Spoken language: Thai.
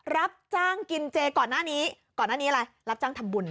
รับจ้างกินเจก่อนหน้านี้ก่อนหน้านี้อะไรรับจ้างทำบุญ